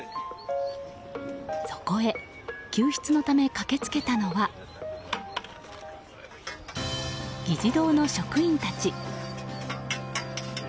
そこへ、救出のため駆け付けたのは議事堂の職員たち。